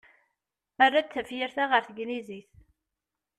Err-d tafyirt-a ɣer tneglizit.